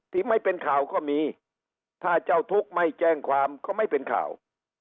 ที่ไม่เป็นข่าวก็มีถ้าเจ้าทุกข์ไม่แจ้งความก็ไม่เป็นข่าว